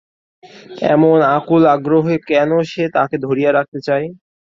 এমন আকুল আগ্রহে কেন সে তাকে ধরিয়া রাখতে চায়?